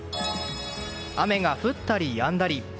雨が降ったりやんだり。